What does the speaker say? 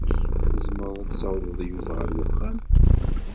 Tzemreḍ ad tsawḍeḍ Yuba ar wexxam?